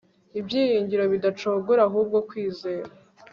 ibyiringiro bidacogora ahubwo kwizera